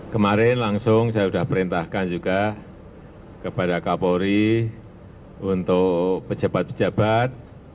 kemarin langsung saya sudah perintahkan juga kepada kapolri untuk pejabat pejabat